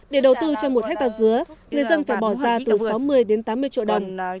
để đầu tư cho một hectare dứa người dân phải bỏ ra từ sáu mươi đến tám mươi triệu đồng